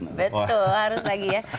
betul harus pagi ya